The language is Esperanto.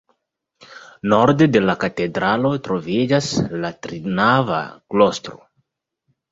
Norde de la katedralo troviĝas la trinava klostro.